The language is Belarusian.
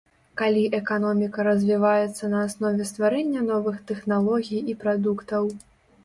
Калі эканоміка развіваецца на аснове стварэння новых тэхналогій і прадуктаў.